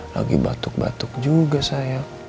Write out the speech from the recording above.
lagi batuk batuk juga saya